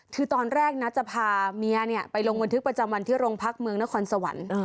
คือตอนแรกนะจะพาเมียไปลงบันทึกประจำวันที่โรงพักเมืองนครสวรรค์